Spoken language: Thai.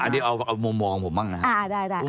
อันนี้เอามุมมองผมบ้างนะครับ